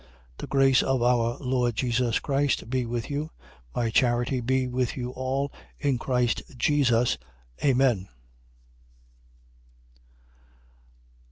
The grace of our Lord Jesus Christ be with you. 16:24. My charity be with you all in Christ Jesus. Amen.